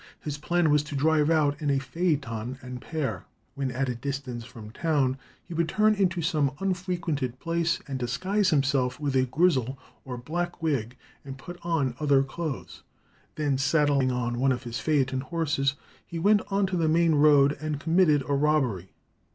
His plan was to drive out in a phaeton and pair. When at a distance from town he would turn into some unfrequented place and disguise himself with a grizzle or black wig and put on other clothes. Then saddling one of his phaeton horses, he went on to the main road and committed a robbery.